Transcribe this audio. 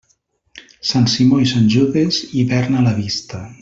Sant Simó i Sant Judes, hivern a la vista.